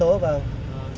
hơn cây số vâng